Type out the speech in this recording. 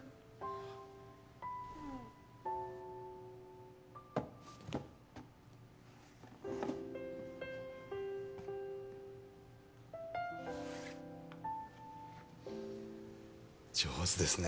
・うん上手ですね